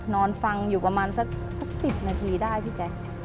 นอนฟังอยู่ประมาณสัก๑๐นาทีได้พี่แจ๊ค